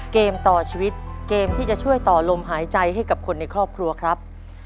เกมต่อชีวิตเกมที่จะช่วยต่อลมหายใจให้กับคนในครอบครัวครับ